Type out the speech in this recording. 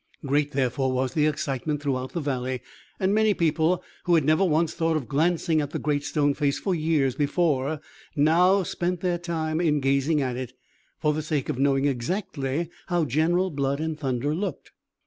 Great, therefore, was the excitement throughout the valley; and many people, who had never once thought of glancing at the Great Stone Face for years before, now spent their time in gazing at it, for the sake of knowing exactly how General Blood and Thunder looked.